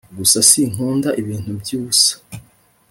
gusa sinkunda ibintu byubusa